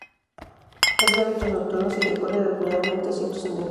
Es de hábitos nocturnos y recorre regularmente ciertos senderos.